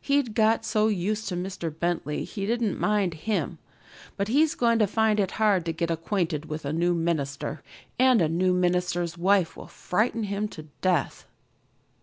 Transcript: He'd got so used to Mr. Bentley he didn't mind him, but he's going to find it hard to get acquainted with a new minister, and a new minister's wife will frighten him to death."